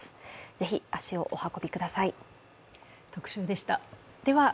ぜひ足をお運びください。